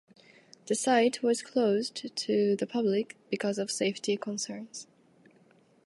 The site was closed to the public because of safety concerns.